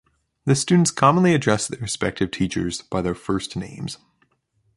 The students commonly address their respective teachers by their first names.